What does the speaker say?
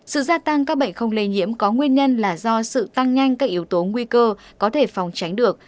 sự gia tăng các bệnh không lây nhiễm có nguyên nhân là do sự tăng nhanh các yếu tố nguy cơ có thể phòng tránh được